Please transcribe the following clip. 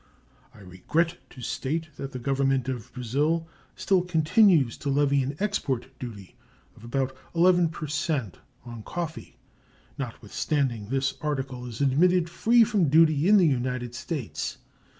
I regret to state that the Government of Brazil still continues to levy an export duty of about 11 per cent on coffee, notwithstanding this article is admitted free from duty in the United States.